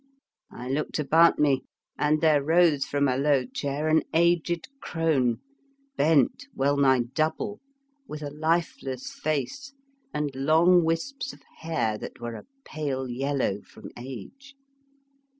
I looked about me, and there rose from a low chair an aged crone, bent well nigh double, with a lifeless face, and long wisps of hair that were a pale yel 4 8 The Fearsome Island low from age.